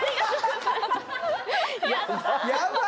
やったー！